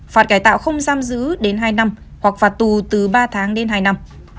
phạt cải tạo không giam giữ đến hai năm hoặc phạt tù từ ba tháng đến hai năm